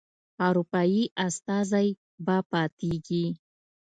اروپایي استازی به پاتیږي.